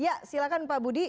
ya silahkan pak budi